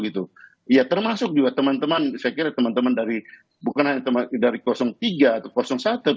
ya termasuk juga teman teman saya kira teman teman dari bukan hanya dari tiga atau satu